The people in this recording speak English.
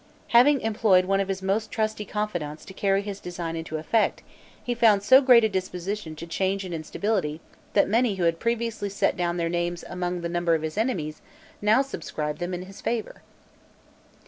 Having employed one of his most trusty confidants to carry his design into effect, he found so great a disposition to change and instability, that many who had previously set down their names among the number of his enemies, now subscribed them in his favor.